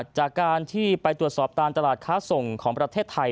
จากการที่ไปตรวจสอบตามตลาดค้าส่งของประเทศไทย